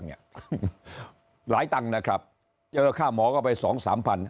หลายตั้งนะครับเจอค่าหมอก็ไป๒๓พัน